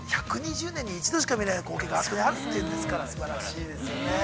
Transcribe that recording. ◆１２０年に１度しか見れない光景が、あそこにあるというのだから、すばらしいですね。